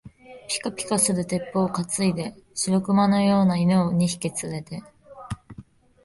ぴかぴかする鉄砲をかついで、白熊のような犬を二匹つれて、